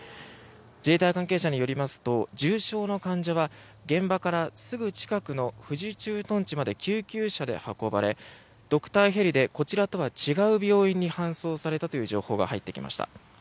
自衛隊関係者によりますと重傷の患者は現場からすぐ近くの富士駐屯地まで救急車で運ばれドクターヘリでこちらとは違う病院に搬送されたという情報が入ってきました。